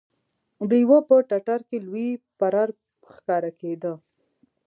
د يوه په ټټر کې لوی پرار ښکارېده.